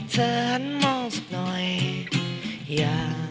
ขอบคุณค่ะ